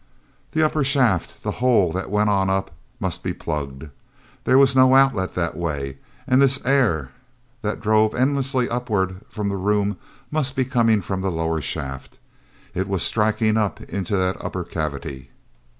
hat upper shaft, the hole that went on up, must be plugged. There was no outlet that way, and this air that drove endlessly upward from the room must be coming from the lower shaft. It was striking up into that upper cavity.